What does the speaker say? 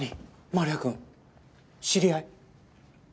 丸谷くん知り合い？